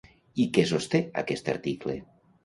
I què sosté aquest article?